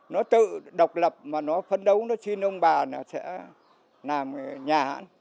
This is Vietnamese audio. nó tự độc lập mà nó phấn đấu nó xin ông bà sẽ làm nhà